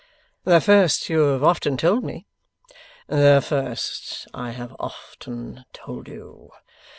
'The first you have often told me.' 'The first I have often told you.